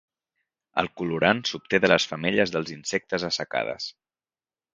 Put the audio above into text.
El colorant s'obté de les femelles dels insectes assecades.